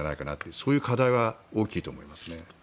そういう課題は大きいと思います。